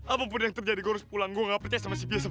apapun yang terjadi harus pulang gua nggak percaya sama si biasa